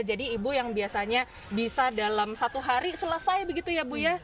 jadi ibu yang biasanya bisa dalam satu hari selesai begitu ya ibu ya